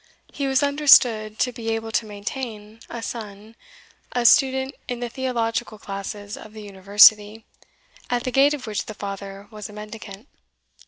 He was understood to be able to maintain a son a student in the theological classes of the University, at the gate of which the father was a mendicant.